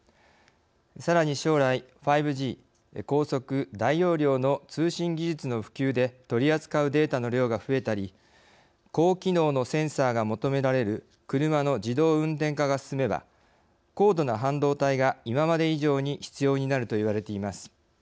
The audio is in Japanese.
さらに将来５Ｇ高速大容量の通信技術の普及で取り扱うデータの量が増えたり高機能のセンサーが求められる車の自動運転化が進めば高度な半導体が今まで以上に必要になると言われています。